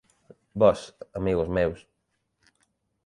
Vós, amigos meus...